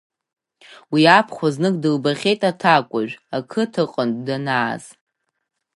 Уи абхәа знык дылбахьеит аҭакәажә, ақыҭаҟынтә данааз.